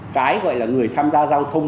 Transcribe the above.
cái gọi là người tham gia giao thông